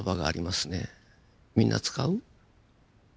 みんな使う？